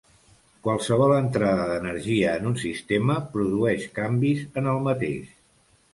Qualsevol entrada d'energia en un sistema produeix canvis en el mateix.